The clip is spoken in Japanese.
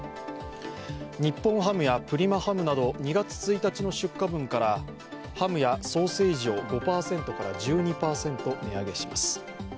日本ハムやプリマハムなど２月１日の出荷分からハムやソーセージを５％から１２％値上げします。